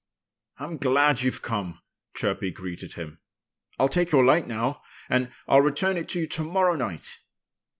"I'm glad you've come!" Chirpy greeted him. "I'll take your light now. And I'll return it to you to morrow night."